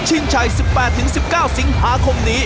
ชัย๑๘๑๙สิงหาคมนี้